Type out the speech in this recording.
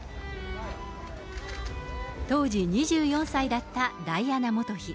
当時２４歳だったダイアナ元妃。